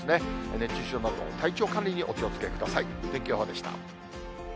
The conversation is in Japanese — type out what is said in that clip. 熱中症など体調管理にお気をつけください。